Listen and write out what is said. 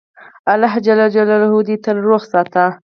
الله ج دي تل روغ ساتی